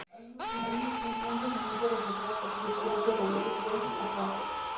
Al mismo tiempo, un regimiento reforzado participó en la Operación Ferroviaria Beiping-Hankou.